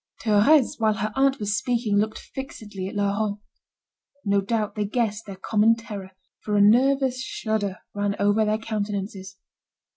Thérèse, while her aunt was speaking, looked fixedly at Laurent. No doubt, they guessed their common terror, for a nervous shudder ran over their countenances.